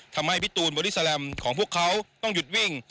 ทำให้พี่ตูนบอดี้แลมของพวกเขาต้องหยุดวิ่ง